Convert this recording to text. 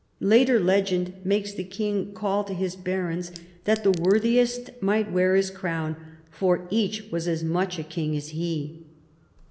Later legend makes the king call to his barons that the worthiest might wear his crown, for each was as much king as he.